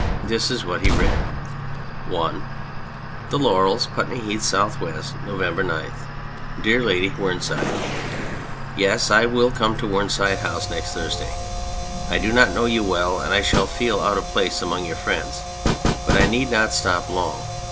This is what he read I The Laurels, Putney Heath, S. 11'. November 9. DEAR LADY WHERNSIDE, Yes, I will come to Whernside House next Thursday. I do not know you well, and I shall feel out of place among your friends, but I need 'not stop long.